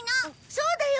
そうだよ